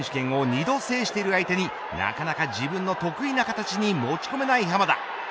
世界選手権を２度制している相手になかなか自分の得意な形に持ち込めない濱田。